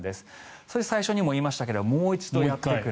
そして最初にも言いましたがもう一度やってくる。